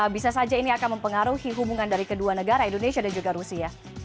bisa saja ini akan mempengaruhi hubungan dari kedua negara indonesia dan juga rusia